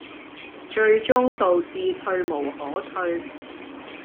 最終導致退無可退